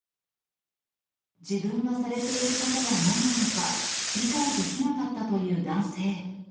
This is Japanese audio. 自分がされていることはなんなのか、理解できなかったという男性。